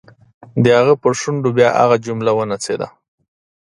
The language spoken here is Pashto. د هغه پر شونډو بیا هغه جمله ونڅېده.